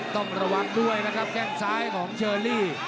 ต้องระวังด้วยนะครับแข้งซ้ายของเชอรี่